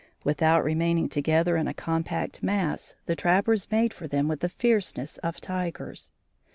Without remaining together in a compact mass, the trappers made for them with the fierceness of tigers.